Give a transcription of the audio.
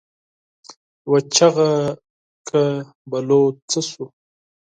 يوه چيغه کړه: بلوڅ څه شو؟